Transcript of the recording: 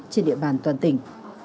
trên địa bàn toàn tỉnh